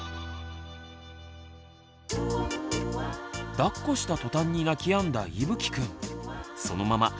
だっこしたとたんに泣きやんだいぶきくん。